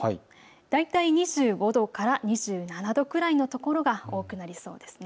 大体２５度から２７度くらいの所が多くなりそうですね。